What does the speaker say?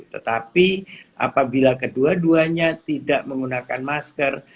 tetapi apabila kedua duanya tidak menggunakan masker